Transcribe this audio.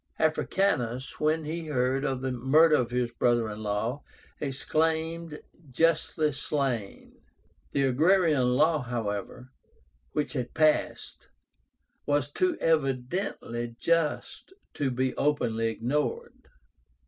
Africánus, when he heard of the murder of his brother in law, exclaimed, "Justly slain." The agrarian law, however, which had passed, was too evidently just to be openly ignored.